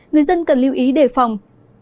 người dân cần lưu ý đề phòng